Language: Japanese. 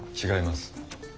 違います。